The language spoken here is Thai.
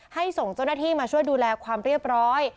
ส่งเจ้าหน้าที่มาช่วยดูแลความเรียบร้อย